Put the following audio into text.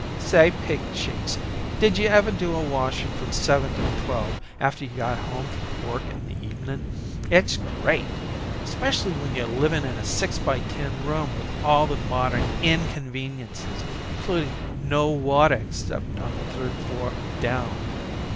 "Say, Pink Cheeks, did yuh ever do a washin' from seven to twelve, after you got home from work in the evenin'? It's great! 'Specially when you're living in a six by ten room with all the modern inconveniences, includin' no water except on the third floor down.